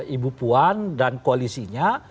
ibu puan dan koalisinya